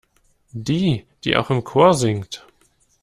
Die, die auch im Chor singt.